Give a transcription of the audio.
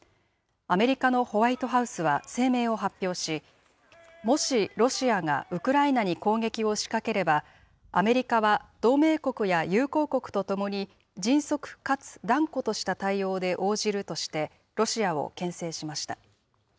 アメリカのホワイトハウスは声明を発表し、もしロシアがウクライナに攻撃を仕掛ければ、アメリカは同盟国や友好国とともに、迅速かつ断固とした対応で応じるとしてロシアをけん制しました。